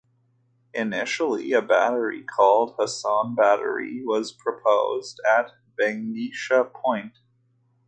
Initially, a battery called Hassan Battery was proposed at Benghisa Point.